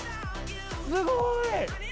すごい！